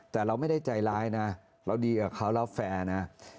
แต่เราไม่ได้ใจร้ายนะเราดีกับเขาแล้วแฟร์นะ